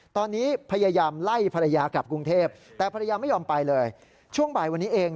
ตอนนี้พยายามไล่ภรรยากลับกรุงเทพฯแต่ภรรยาไม่ยอมไปเลย